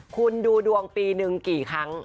คุณดูดวงปีหนึ่งกี่ครั้ง